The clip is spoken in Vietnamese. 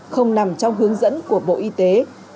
không nằm trong hướng dẫn của bộ y tế